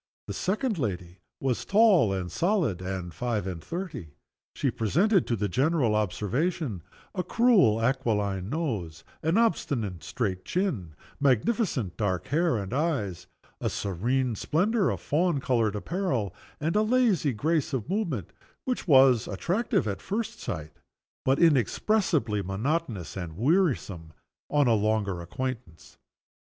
The second lady was tall, and solid, and five and thirty. She presented to the general observation a cruel aquiline nose, an obstinate straight chin, magnificent dark hair and eyes, a serene splendor of fawn colored apparel, and a lazy grace of movement which was attractive at first sight, but inexpressibly monotonous and wearisome on a longer acquaintance.